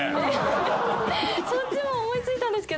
そっちも思い付いたんですけど。